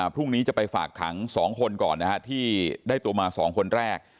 พรุ่งนี้จะไปฝากขัง๒คนก่อนนะฮะที่ได้ตัวมา๒คนแรก